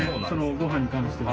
ご飯に関しては。